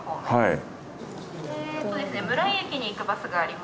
はい。